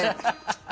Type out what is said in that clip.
ハハハ。